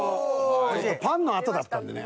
パンのあとだったんでね。